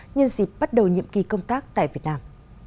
nhân dịp bắt đầu nhiệm kỳ công tác tại việt nam